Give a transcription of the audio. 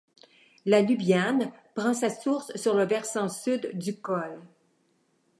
La Lubiane prend sa source sur le versant sud du col.